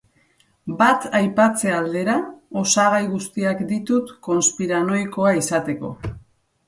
Bat aipatze aldera, osagai guztiak ditut konspiranoikoa izateko.